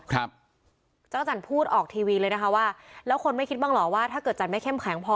ครับเจ้าจันทร์พูดออกทีวีเลยนะคะว่าแล้วคนไม่คิดบ้างเหรอว่าถ้าเกิดจันไม่เข้มแข็งพอ